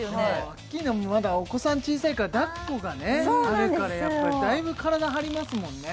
アッキーナもまだお子さん小さいからだっこがねあるからやっぱりだいぶ体張りますもんね